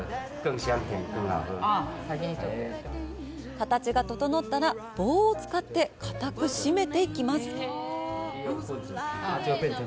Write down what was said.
形が整ったら棒を使って固く締めていきます。